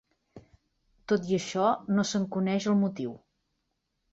Tot i això, no se"n coneix el motiu.